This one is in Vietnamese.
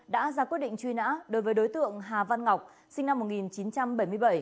đã ra quyết định truy nã đối với đối tượng hà văn ngọc sinh năm một nghìn chín trăm bảy mươi bảy